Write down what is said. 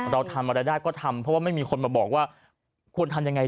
เราทำอะไรได้ก็ทำเพราะว่าไม่มีคนมาบอกว่าควรทำยังไง